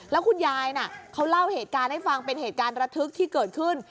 แล้วคุณยายน่ะเขาเล่าเหตุการณ์ให้ฟังเป็นเหตุการณ์ระทึกที่เกิดขึ้น